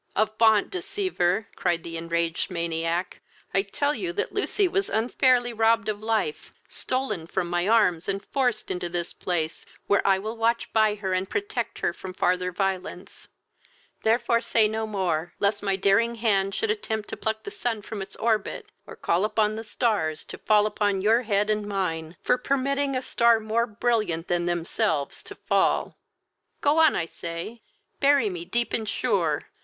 "Avaunt, deceiver! (cried the enraged maniac.) I tell you that Lucy was unfairly robbed of life, stolen from my arms, and forced into this place, where I will watch by her and protect her from farther violence; therefore say no more, lest my daring hand should attempt to pluck the sun from his orbit, or call upon the stars to fall upon your head, and mine for permitting a star more brilliant than themselves to fall. Go on, I say, bury me deep and sure!